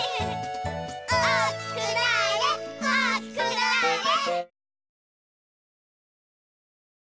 おおきくなれおおきくなれ！